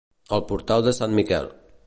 El portal de Sant Miquel.